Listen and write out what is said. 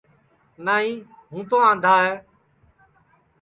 نائی ہوں تو آندھا ہے